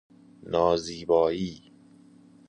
نازیبائی